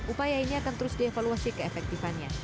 upaya ini akan terus dievaluasi keefektifannya